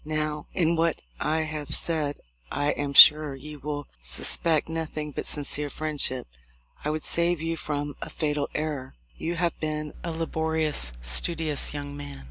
"Now, in what I have said I am sure you will sus pect nothing but sincere friendship. I would save you from a fatal error. You have been a laborious, studious young man.